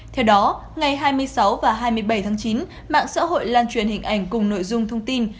theo đó ngày hai mươi sáu và hai mươi bảy tháng chín mạng xã hội lan truyền hình ảnh cùng nội dung thông tin